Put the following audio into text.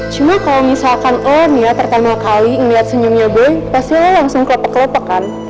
cuma kalo misalkan onya pertama kali liat senyumnya boy pasti lo langsung kelopak kelopakan